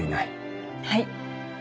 はい。